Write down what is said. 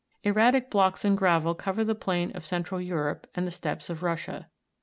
37. Erratic blocks and gravel cover the plain of central Europe and the steppes of Russia.